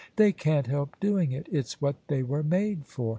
They can't help doing it: it's what they were made for.